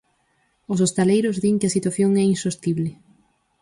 Os hostaleiros din que a situación é insostible.